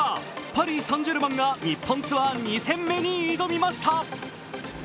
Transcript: パリ・サン＝ジェルマンが日本ツアー２戦目に挑みました。